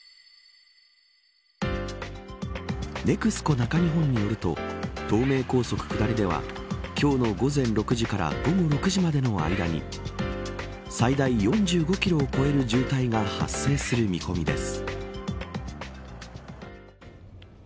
ＮＥＸＣＯ中日本によると東名高速下りでは今日の午前６時から午後６時までの間に最大４５キロを超える渋滞が発生する見込みです。